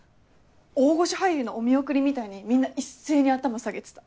大御所俳優のお見送りみたいにみんな一斉に頭下げてた。